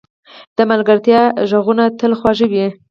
د ملګرتیا ږغونه تل خواږه وي.